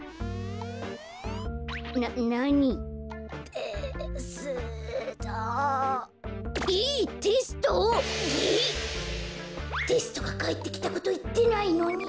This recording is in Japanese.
こころのこえテストがかえってきたこといってないのに。